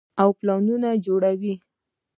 او پلانونه جوړوي -